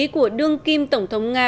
của đương kim tổng thống nga